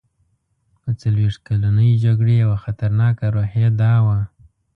د څلوېښت کلنې جګړې یوه خطرناکه روحیه دا وه.